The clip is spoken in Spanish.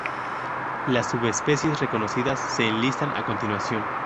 Las subespecies reconocidas se enlistan a continuación.